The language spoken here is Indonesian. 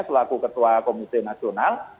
selaku ketua komite nasional